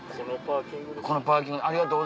このパーキングです。